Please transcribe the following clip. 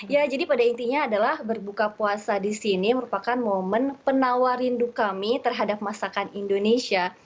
ya jadi pada intinya adalah berbuka puasa di sini merupakan momen penawar rindu kami terhadap masakan indonesia